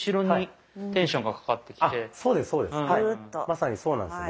まさにそうなんですよね。